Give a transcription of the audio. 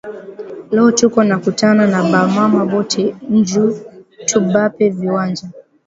Leo tuko nakutana na ba mama bote nju tubape viwanja